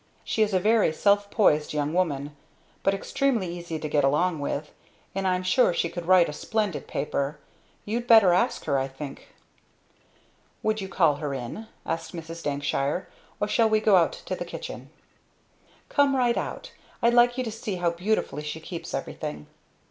She is a very self poised young woman, but extremely easy to get along with. And I'm sure she could write a splendid paper. You'd better ask her, I think." "Would you call her in?" asked Mrs. Dankshire, "or shall we go out to the kitchen?" "Come right out; I'd like you to see how beautifully she keeps everything."